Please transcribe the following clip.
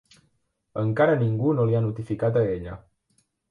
Encara ningú no li ha notificat a ella.